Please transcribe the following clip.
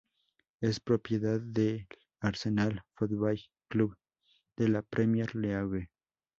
Es propiedad del Arsenal Football Club de la Premier League.